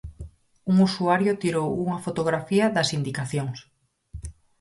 Un usuario tirou unha fotografía das indicacións.